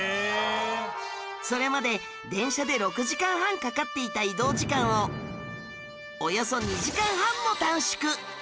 それまで電車で６時間半かかっていた移動時間をおよそ２時間半も短縮